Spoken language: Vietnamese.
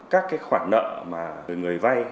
các cái khoản nợ mà người vay